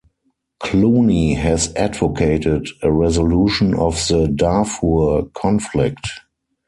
Clooney has advocated a resolution of the Darfur conflict.